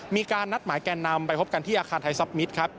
มีการนัดหมายแก่นำไปพบกันที่อาคารไทยซับมิตรครับ